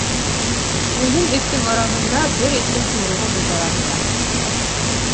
Йыйын эттең араһында бер эттең ҡойроғо бот араһында.